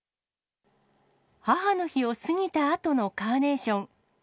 母の日を過ぎたあとのカーネーション。